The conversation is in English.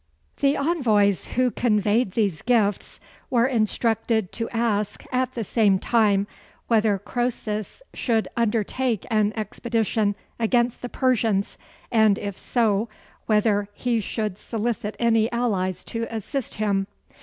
The envoys who conveyed these gifts were instructed to ask at the same time, whether Croesus should undertake an expedition against the Persians and if so, whether he should solicit any allies to assist him.